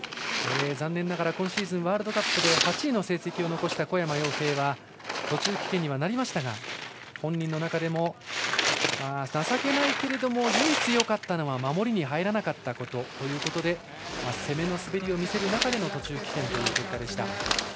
残念ながら今シーズン、ワールドカップで８位の成績を残した小山陽平は途中棄権にはなりましたが本人の中でも情けないけれども唯一よかったのは守りに入らなかったことということで攻めの滑りを見せる中での途中棄権という結果でした。